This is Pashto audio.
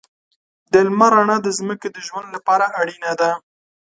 د لمر رڼا د ځمکې د ژوند لپاره اړینه ده.